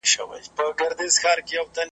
چي زه الوزم پر تاسي څه قیامت دی .